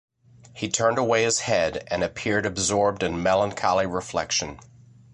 He turned away his head, and appeared absorbed in melancholy reflection.